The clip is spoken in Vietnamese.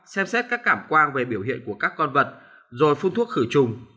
xem xét các cảm quan về biểu hiện của các con vật rồi phun thuốc khử trùng